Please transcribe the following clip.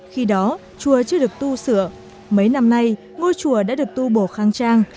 khi đó chùa chưa được tu sửa mấy năm nay ngôi chùa đã được tu bổ kháng trang